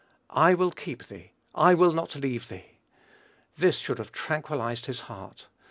"I will keep thee.... I will not leave thee." This should have tranquillized his heart.